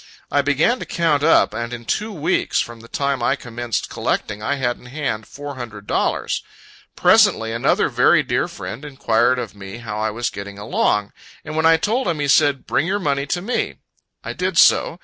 I began to count up, and in two weeks from the time I commenced collecting, I had in hand four hundred dollars. Presently, another very dear friend enquired of me how I was getting along; and when I told him, he said, "Bring your money to me." I did so.